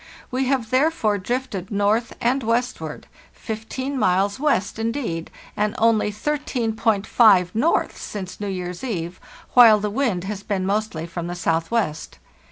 We have therefore drifted north and westward; 15 miles west, indeed, and only 13.5 north since New year's eve, while the wind has been mostly from the southwest.